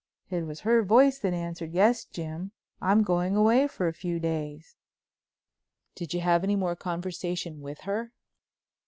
it was her voice that answered: 'Yes, Jim, I'm going away for a few days.'" "Did you have any more conversation with her?"